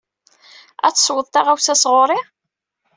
Ad tesweḍ taɣawsa sɣur-i?